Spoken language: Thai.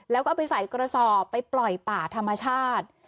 แล้วก็เอาไปใส่กระสอบไปปล่อยป่าธรรมชาติ